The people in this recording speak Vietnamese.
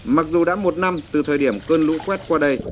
mặc dù đã một năm từ thời điểm cơn lũ quét qua đây